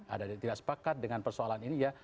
ada yang tidak sepakat dengan persoalan ini ya